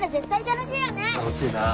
楽しいな。